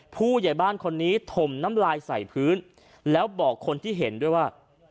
ผู้ใหญ่บ้านคนนี้ถมน้ำลายใส่พื้นแล้วบอกคนที่เห็นด้วยว่า